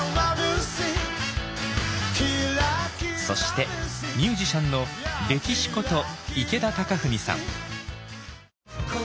そしてミュージシャンのレキシこと池田貴史さん。